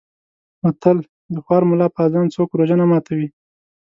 متل: د خوار ملا په اذان څوک روژه نه ماتوي.